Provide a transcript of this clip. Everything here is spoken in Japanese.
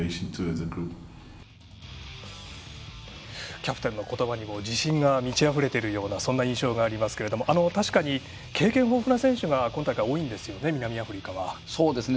キャプテンの言葉にも自信が満ちあふれているような印象がありますけれども確かに、経験豊富な選手が今大会、南アフリカは多いですね。